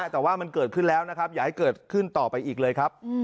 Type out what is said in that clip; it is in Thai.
แต่ว่ามันเกิดขึ้นแล้วนะครับอย่าให้เกิดขึ้นต่อไปอีกเลยครับ